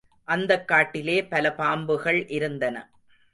அந்தக் காட்டிலே பல பாம்புகள் இருந்தன.